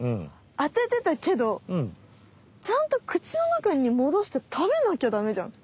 当ててたけどちゃんとくちのなかに戻してたべなきゃダメじゃん。